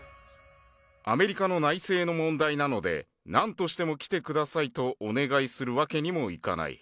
アメリカの内政の問題なので、なんとしても来てくださいとお願いするわけにもいかない。